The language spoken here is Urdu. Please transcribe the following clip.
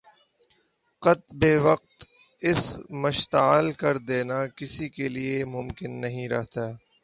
قت بے وقت اسے مشتعل کر دینا کسی کے لیے ممکن نہیں رہتا